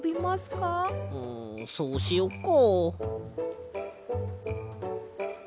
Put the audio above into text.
んそうしよっか。